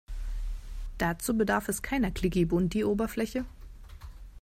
Dazu bedarf es keiner klickibunti Oberfläche.